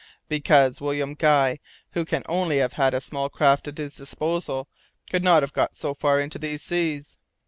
"Because William Guy, who can only have had a small craft at his disposal, could not have got so far into these seas."